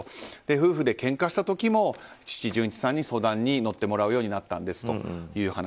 夫婦でけんかした時も父・純一さんに相談に乗ってもらうようになったんですという話。